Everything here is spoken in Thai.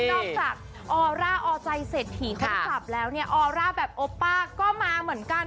นอกจากออร่าออใจเศรษฐีก็ถาบแล้วออห์ร่าแบบโอป้าก็มาเหมือนกัน